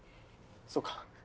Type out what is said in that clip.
そうか。